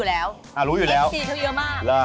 สวัสดีครับ